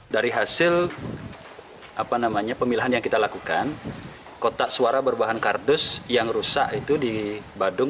dari hasil pemilahan yang kita lakukan kotak suara berbahan kardus yang rusak itu di badung